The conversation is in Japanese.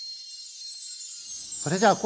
それじゃあ昴